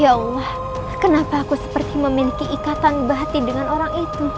ya allah kenapa aku seperti memiliki ikatan batin dengan orang itu